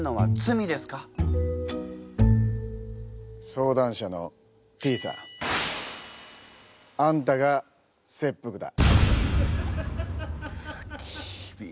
相談者のＴさんあんたが切腹だ。